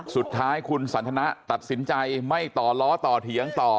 สุดท้ายคุณสันทนะตัดสินใจไม่ต่อล้อต่อเถียงต่อ